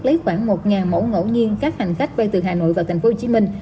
lấy khoảng một mẫu ngẫu nhiên các hành khách bay từ hà nội vào thành phố hồ chí minh